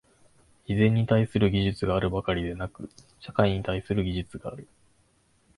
自然に対する技術があるばかりでなく、社会に対する技術がある。